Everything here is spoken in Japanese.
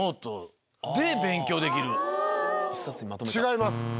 違います。